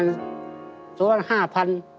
ก็ส่วน๕๐๐๐